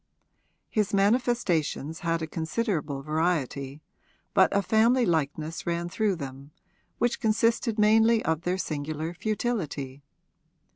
His manifestations had a considerable variety, but a family likeness ran through them, which consisted mainly of their singular futility.